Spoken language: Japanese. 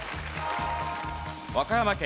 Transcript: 和歌山県